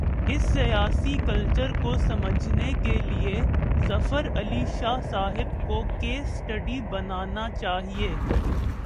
اس سیاسی کلچر کو سمجھنے کے لیے، ظفر علی شاہ صاحب کو "کیس سٹڈی" بنا نا چاہیے۔